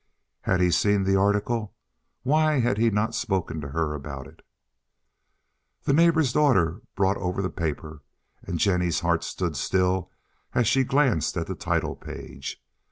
Had he seen the article? Why had he not spoken to her about it? The neighbor's daughter brought over the paper, and Jennie's heart stood still as she glanced at the title page.